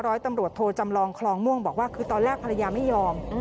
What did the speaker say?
ร้อยตำรวจโทจำลองคลองม่วงบอกว่าคือตอนแรกภรรยาไม่ยอม